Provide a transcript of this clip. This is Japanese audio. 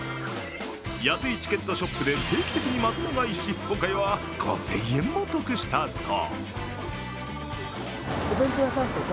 安いチケットショップで定期的にまとめ買いし、今回は５０００円も得したそう。